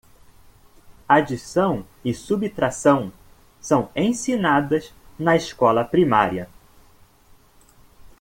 Adição e subtração são ensinadas na escola primária.